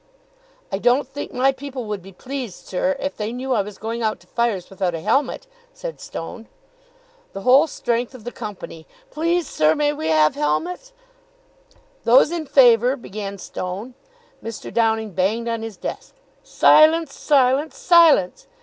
"I don't think my people would be pleased, sir, if they knew I was going out to fires without a helmet," said Stone. The whole strength of the company: "Please, sir, may we have helmets?" "Those in favour " began Stone. Mr. Downing banged on his desk. "Silence! Silence!! Silence!!!